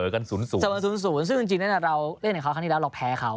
คือเสมอกันศูนย์ศูนย์ซึ่งจริงนะเราเล่นกับเขาครั้งนี้แล้วเราแพ้เขา